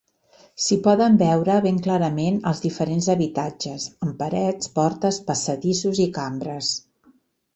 S'hi poden veure ben clarament els diferents habitatges, amb parets, portes, passadissos i cambres.